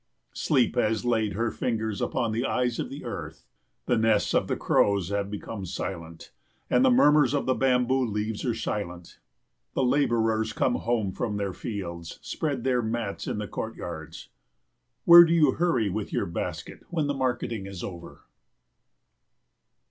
Sleep has laid her fingers upon the eyes of the earth. The nests of the crows have become silent, and the murmurs of the bamboo leaves are silent. The labourers home from their fields spread their mats in the courtyards. Where do you hurry with your basket when the marketing is over?